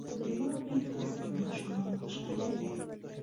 • د واورې فصل ماشومان خوشحالوي.